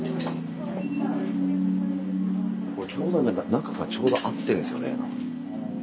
中がちょうど合ってんですよね。